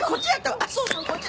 そうそうこっち。